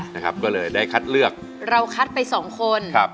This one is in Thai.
นะครับก็เลยได้คัดเลือกเราคัดไปสองคนครับ